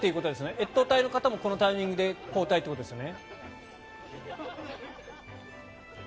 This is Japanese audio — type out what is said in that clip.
越冬隊の方もこのタイミングで交代ということですね。